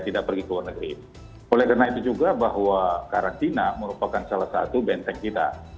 tidak pergi ke luar negeri oleh karena itu juga bahwa karantina merupakan salah satu benteng kita